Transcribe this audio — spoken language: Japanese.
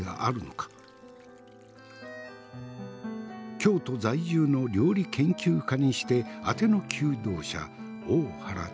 京都在住の料理研究家にしてあての求道者大原千鶴。